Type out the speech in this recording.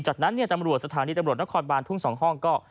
จากนั้นเนี่ยตำรวจสถานีตำรวจนครบานทุ่ง๒ห้องก็